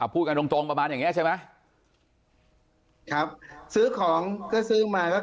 พูดกันตรงตรงประมาณอย่างนี้ใช่ไหมครับซื้อของก็ซื้อมาก็